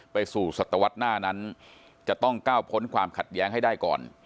ไปสู่ศตวรรษหน้านั้นจะต้องก้าวพ้นความขัดแย้งให้ได้ก่อน